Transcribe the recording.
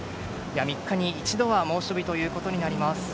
３日に一度は猛暑日ということになります。